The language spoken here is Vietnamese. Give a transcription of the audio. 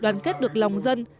đoàn kết được lòng dân